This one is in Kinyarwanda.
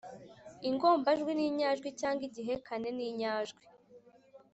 ingombajwi n’inyajwi cyangwa igihekane n’inyajwi